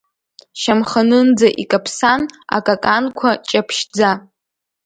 Шьамханынӡа икаԥсан, акаканқәа ҷаԥшьӡа.